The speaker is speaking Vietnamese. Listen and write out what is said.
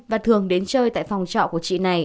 và thường đến chơi tại phòng trọ của chị này